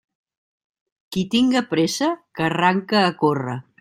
Qui tinga pressa que arranque a córrer.